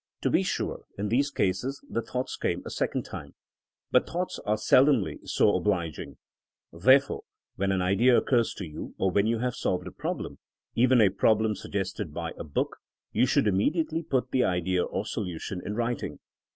To be sure, in these cases the thoughts came a sec ond time. But thoughts are seldom so oblig ing. Therefore when an idea occurs or when you have solved a problem, even a problem sug gested by a book, you should immediately put the idea or solution in writing.